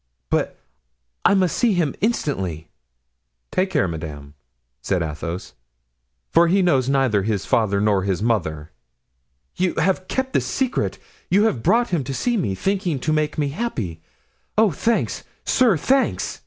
But I must see him instantly." "Take care, madame," said Athos, "for he knows neither his father nor his mother." "You have kept the secret! you have brought him to see me, thinking to make me happy. Oh, thanks! sir, thanks!"